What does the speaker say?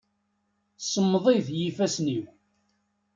Semmeḍit yifassen-iw.